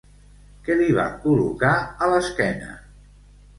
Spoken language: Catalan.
Què li van col·locar a l'esquena?